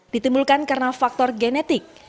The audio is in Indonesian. ditimbulkan karena faktor genetik